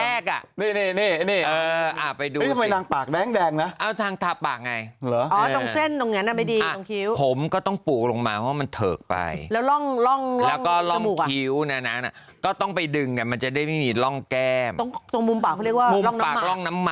เอารูปที่นั่นสีเสื้อเหลือง